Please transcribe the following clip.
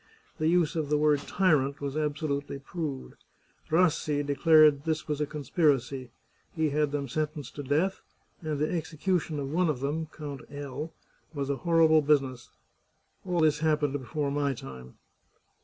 The use of the word " tyrant " was absolutely proved. Rassi declared this was a conspiracy; he had them sentenced to death, and the execution of one of them. Count L , was a horrible business. All this happened before my time.